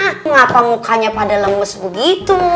kenapa mukanya pada lemes begitu